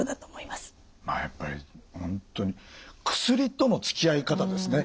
まあやっぱり本当に薬とのつきあい方ですね